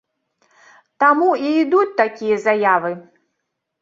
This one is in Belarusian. Таму і ідуць такія заявы.